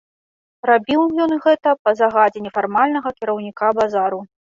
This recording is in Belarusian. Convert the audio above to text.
Рабіў ён гэта па загадзе нефармальнага кіраўніка базару.